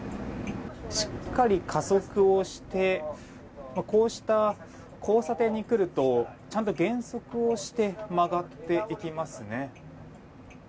しっかり加速をしてこうした交差点に来るとちゃんと減速して曲がっていきますね。